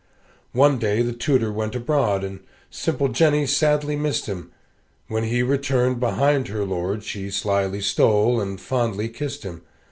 One day the tutor went abroad, And simple Jenny sadly missed him; When he returned, behind her lord She slyly stole, and fondly kissed him.